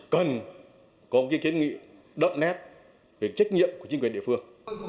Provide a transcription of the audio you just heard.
cần có cái kiến nghị đậm nét về trách nhiệm của chính quyền địa phương